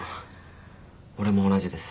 俺も同じです。